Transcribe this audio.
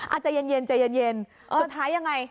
อ่าใจเย็นใจเย็นเออท้ายังไง